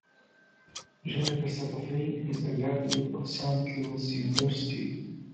Jennifer Safavian is a graduate of Saint Louis University.